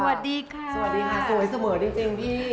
สวัสดีค่ะสวยเสมอจริงพี่